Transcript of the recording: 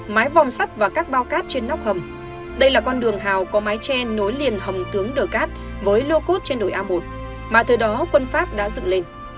mái vòm sắt và các bao cát trên nóc hầm đây là con đường hào có mái tre nối liền hầm tướng đờ cát với lô cốt trên đồi a một mà từ đó quân pháp đã dựng lên